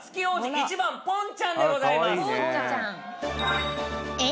１番ポンちゃんでございます